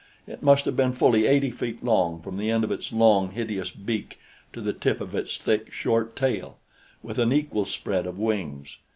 It must have been fully eighty feet long from the end of its long, hideous beak to the tip of its thick, short tail, with an equal spread of wings.